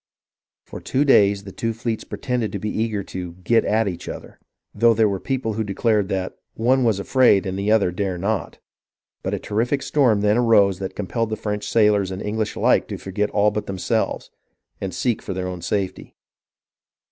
For two days the two fleets pretended to be eager to "get at " each other, though there were people who declared that "one was afraid and the other dare not;" but a terrific storm then arose that compelled French sailors and English alike to forget all but themselves, and seek for their own safety.